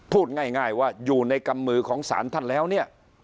พูดง่ายว่าอยู่ในกำมือของสารท่านแล้วเนี่ย